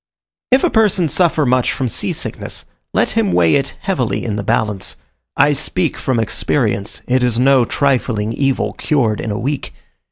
If a person suffer much from sea sickness, let him weigh it heavily in the balance. I speak from experience: it is no trifling evil, cured in a week.